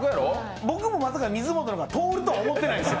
僕も、まさか水本のが通るとは思ってないです。